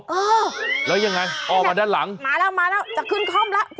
เออแล้วยังไงออกมาด้านหลังมาแล้วมาแล้วจะขึ้นคล่อมแล้ว